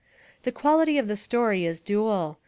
The quality of the story is dual.